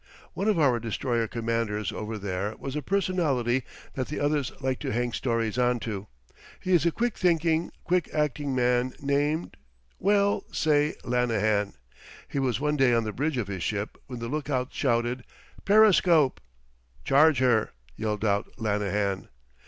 One of our destroyer commanders over there has a personality that the others like to hang stories onto. He is a quick thinking, quick acting man named well, say Lanahan. He was one day on the bridge of his ship when the lookout shouted: "Periscope!" "Charge her!" yelled out Lanahan.